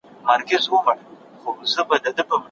د هوا نشتوالی خرابېدنه کموي.